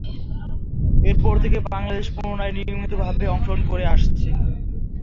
এরপর থেকে বাংলাদেশ পুনরায় নিয়মিতভাবে অংশগ্রহণ করে আসছে।